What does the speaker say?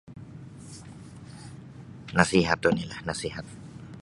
Nasihat onilah nasihat